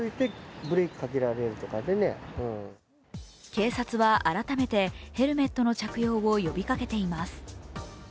警察は改めてヘルメットの着用を呼びかけています。